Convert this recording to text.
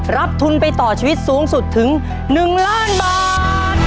รับทุนไปต่อชีวิตสูงสุดถึง๑ล้านบาท